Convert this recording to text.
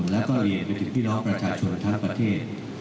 แล้วก็เรียนไปถึงพี่น้องประชาชนทั้งประเทศ